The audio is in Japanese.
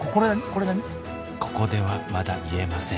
ここではまだ言えません。